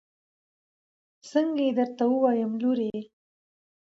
څنګه يې درته ووايم لورې.